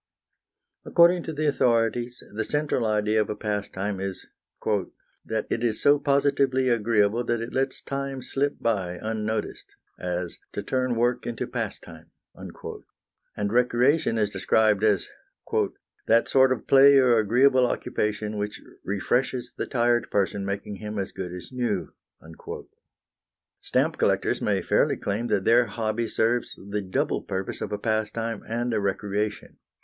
According to the authorities, the central idea of a pastime is "that it is so positively agreeable that it lets time slip by unnoticed; as, to turn work into pastime." And recreation is described as "that sort of play or agreeable occupation which refreshes the tired person, making him as good as new." Stamp collectors may fairly claim that their hobby serves the double purpose of a pastime and a recreation.